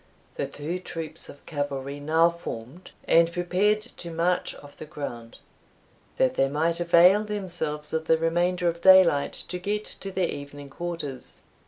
The two troops of cavalry now formed, and prepared to march off the ground, that they might avail themselves of the remainder of daylight to get to their evening quarters.